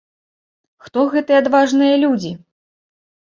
Хто гэтыя адважныя людзі?